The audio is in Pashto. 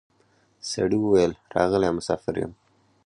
سړي وویل راغلی مسافر یم